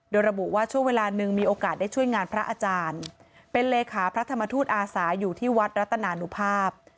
โดยระบุว่าช่วงเวลาหนึ่งมีโอกาสได้ช่วยงานพระอาจารย์เป็นเลขาพระธรรมทูตอาสาอยู่ที่วัดรัตนานุภาพ